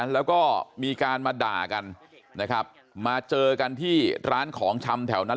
แล้วก็มีการมาด่ากันนะครับมาเจอกันที่ร้านของชำแถวนั้น